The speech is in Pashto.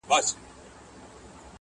په پای کي نجلۍ يوازي پرېښودل کيږي